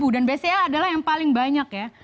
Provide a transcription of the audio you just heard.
dan bca adalah yang paling banyak ya